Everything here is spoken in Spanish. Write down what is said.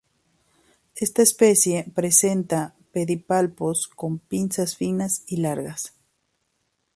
Esta especie presenta pedipalpos con pinzas finas y largas.